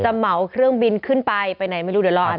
เหมาเครื่องบินขึ้นไปไปไหนไม่รู้เดี๋ยวรออ่าน